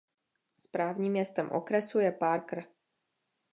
Správním městem okresu je Parker.